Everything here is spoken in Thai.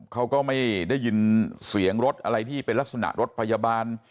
เขาก็ไม่ได้ยินเสียงรถอะไรที่เป็นลักษณะรถพยาบาล